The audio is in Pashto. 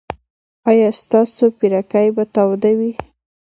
ایا ستاسو پیرکي به تاوده وي؟